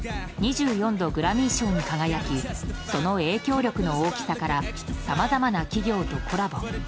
２４度、グラミー賞に輝きその影響力の大きさからさまざまな企業とコラボ。